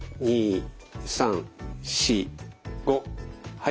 はい。